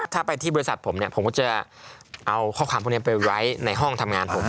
ถ้าไปที่บริษัทผมเนี่ยผมก็จะเอาข้อความพวกนี้ไปไว้ในห้องทำงานผม